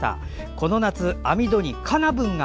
この夏、網戸にカナブンが。